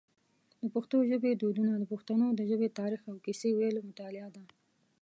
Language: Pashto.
د پښتو ژبی دودونه د پښتنو د ژبی تاریخ او کیسې ویلو مطالعه ده.